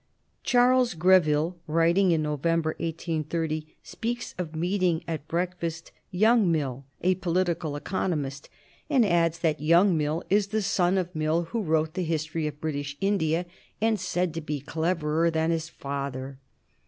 Charles Greville, writing in November, 1830, speaks of meeting at breakfast "young Mill, a political economist," and adds that "young Mill is the son of Mill who wrote the 'History of British India,' and said to be cleverer than his father."